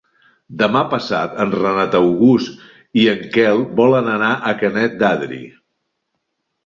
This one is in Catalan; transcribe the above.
Demà passat en Renat August i en Quel volen anar a Canet d'Adri.